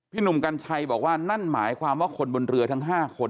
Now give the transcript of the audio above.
หนุ่มกัญชัยบอกว่านั่นหมายความว่าคนบนเรือทั้ง๕คน